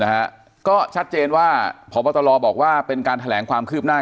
นะฮะก็ชัดเจนว่าพบตรบอกว่าเป็นการแถลงความคืบหน้า